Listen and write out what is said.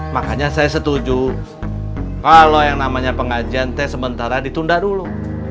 makanya saya setuju kalau yang namanya pengajian tes sementara ditunda dulu